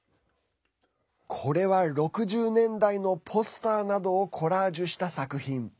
これは６０年代のポスターなどをコラージュした作品。